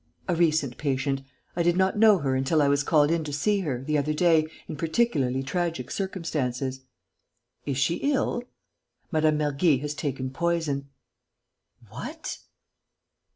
"A recent patient. I did not know her until I was called in to see her, the other day, in particularly tragic circumstances." "Is she ill?" "Mme. Mergy has taken poison." "What!"